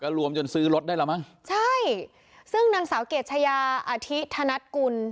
รวมจนซื้อรถได้แล้วมั้งใช่ซึ่งนางสาวเกรดชายาอธิธนัดกุล